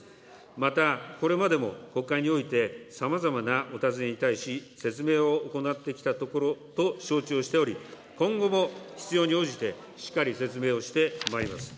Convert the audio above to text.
またこれまでも国会において、さまざまなお尋ねに対し、説明を行ってきたところと承知をしており、今後も必要に応じて、しっかり説明をしてまいります。